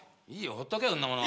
ほっとけよそんなもの。